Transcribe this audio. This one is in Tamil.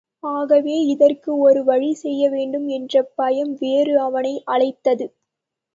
ஆகவே இதற்கு ஒரு வழி செய்ய வேண்டும் என்ற பயம் வேறு அவனை அலைத்தது.